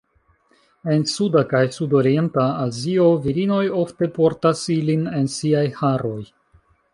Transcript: En suda kaj sudorienta Azio, virinoj ofte portas ilin en siaj haroj.